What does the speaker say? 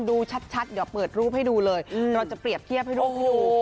ดูชัดเดี๋ยวเปิดรูปให้ดูเลยเราจะเปรียบเทียบให้ดูให้ดู